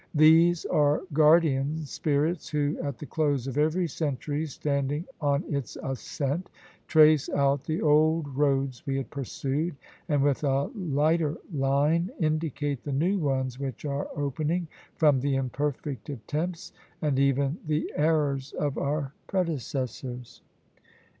These are guardian spirits who, at the close of every century standing on its ascent, trace out the old roads we had pursued, and with a lighter line indicate the new ones which are opening, from the imperfect attempts, and even the errors of our predecessors!